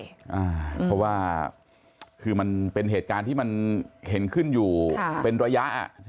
เพราะว่าคือมันเป็นเหตุการณ์ที่มันเห็นขึ้นอยู่เป็นระยะ